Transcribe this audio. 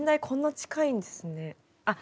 こんな近いんですね。